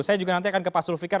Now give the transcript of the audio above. saya juga nanti akan ke pak sulvikar